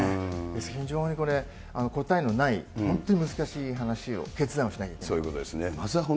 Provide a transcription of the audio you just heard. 非常にこれ、答えのない、本当に難しい話を、決断をしなければいそういうことですね。